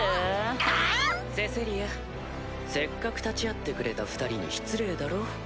ああっ⁉セセリアせっかく立ち会ってくれた二人に失礼だろ。